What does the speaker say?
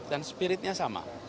dan spiritnya sama